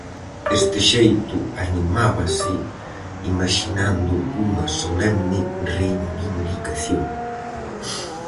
Deste xeito animábase, imaxinando unha solemne reivindicación.